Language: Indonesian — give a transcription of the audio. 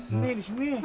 ini di sini ya